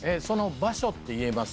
場所って言えます？